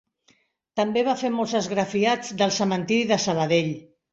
També va fer molts esgrafiats del Cementiri de Sabadell.